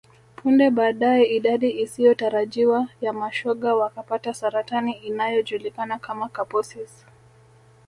Punde baadae idadi isiyotarajiwa ya mashoga wakapata saratani inayojulikana kama Kaposis